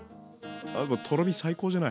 ああもうとろみ最高じゃない。